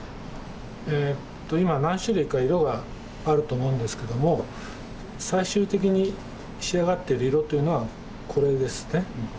今何種類か色があると思うんですけども最終的に仕上がっている色というのはこれですね。